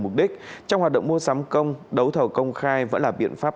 mục đích trong hoạt động mua sắm công đấu thầu công khai vẫn là biện pháp